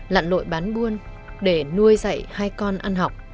lặn lội bán buôn để nuôi dạy hai con ăn học